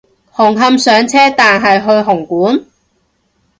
紅磡上車但係去紅館？